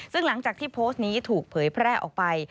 ซึ่งหลังจากที่โพสต์นี้ถูกเผยแพร่ออกไป